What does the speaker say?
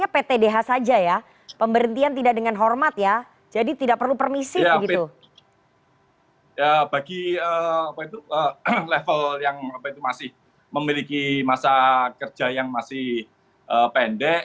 level yang masih memiliki masa kerja yang masih pendek